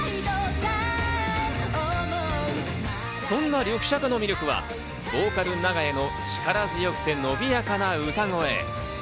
そんなリョクシャカの魅力はボーカル・長屋の力強くて伸びやかな歌声。